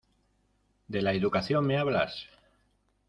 ¿De la educación me hablas?